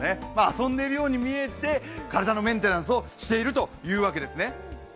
遊んでいるように見えて、体のメンテナンスをしているというわけなんですね。